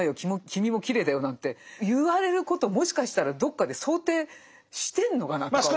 君もきれいだよ」なんて言われることをもしかしたらどっかで想定してんのかなとか。